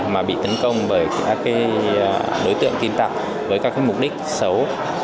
mà bị tấn công bởi các đối tượng tin tặc với các mục đích xấu